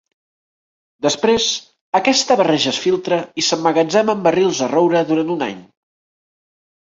Després, aquesta barreja es filtra i s'emmagatzema en barrils de roure durant un any.